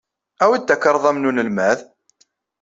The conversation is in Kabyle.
Awey-d takarḍa-nnem n unelmad!